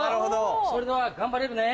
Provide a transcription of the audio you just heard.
それでは頑張れるね？